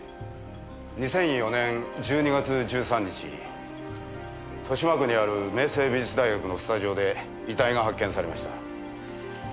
２００４年１２月１３日豊島区にある明成美術大学のスタジオで遺体が発見されました。